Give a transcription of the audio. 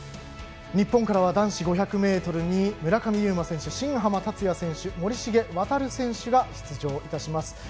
日本からは男子５００ｍに村上右磨選手、新濱立也選手森重航選手が出場します。